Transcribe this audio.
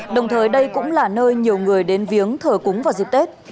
đồng thời đây cũng là nơi nhiều người đến viếng thờ cúng vào dịp tết